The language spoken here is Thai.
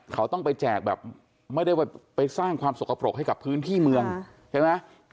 เขาต้องไปแจกแบบไม่ได้ไปสร้างความสกปรกให้กับพื้นที่เมืองใช่ไหม